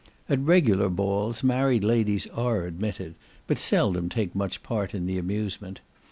At regular balls, married ladies are admitted, but seldom take much part in the amusement.